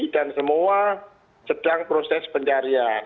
dan semua sedang proses pencarian